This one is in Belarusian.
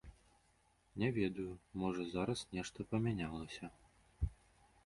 Не ведаю, можа, зараз нешта памянялася.